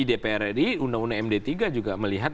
dprri undang undang md tiga juga melihat